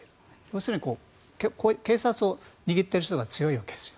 要するに警察を握っている人が強いわけです。